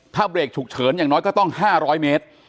ถ้าเบรกฉุกเฉินอย่างน้อยก็ต้อง๕๐๐เมตร